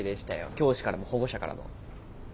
教師からも保護者からも。